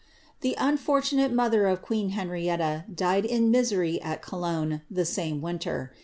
The unfortunate mother of queen Henrietta died in misery at Cologne, the ifame winter.